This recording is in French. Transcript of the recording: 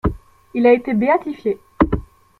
Il a été béatifié.